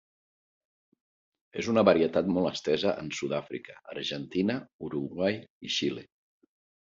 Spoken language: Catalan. És una varietat molt estesa en Sud-àfrica, Argentina, Uruguai i Xile.